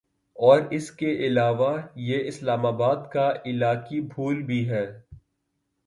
اور اس کے علاوہ یہ اسلام آباد کا علاقائی پھول بھی ہے